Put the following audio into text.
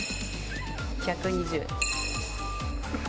１２０。